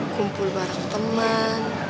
kumpul bareng temen